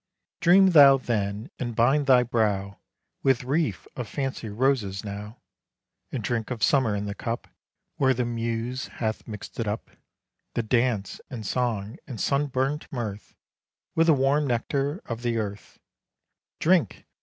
Dream thou then, and bind thy brow With wreath of fancy roses now, And drink of Summer in the cup Where the Muse hath mix'd it up; The "dance, and song, and sun burnt mirth," With the warm nectar of the earth: Drink!